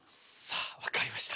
分かりました。